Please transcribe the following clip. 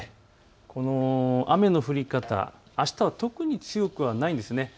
この雨の降り方、あしたは特に強くはないんです。